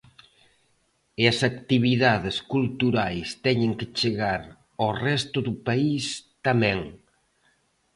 E as actividades culturais teñen que chegar ao resto do país tamén.